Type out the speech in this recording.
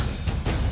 aku tidak bisa